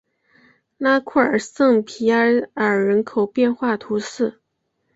拉库尔圣皮埃尔人口变化图示